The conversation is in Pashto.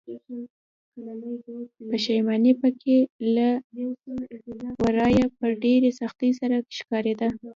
پښيماني پکې له ورايه په ډېرې سختۍ سره ښکاريده.